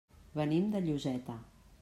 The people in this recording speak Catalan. Venim de Lloseta.